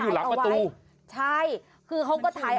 คุณสมัครค่ะคุณสมัครค่ะ